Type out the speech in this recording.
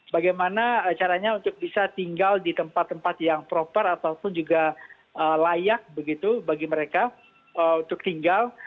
bagaimana caranya untuk bisa tinggal di tempat tempat yang proper ataupun juga layak begitu bagi mereka untuk tinggal